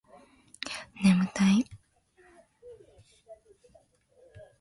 眠たい